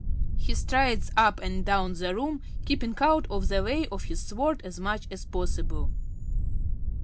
(_He strides up and down the room, keeping out of the way of his sword as much as possible.